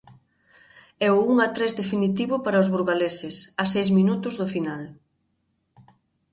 E o un a tres definitivo para os burgaleses, a seis minutos do final.